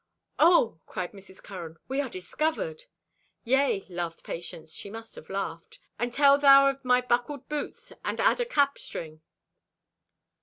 "Oh," cried Mrs. Curran, "we are discovered!" "Yea," laughed Patience—she must have laughed, "and tell thou of my buckled boots and add a cap string."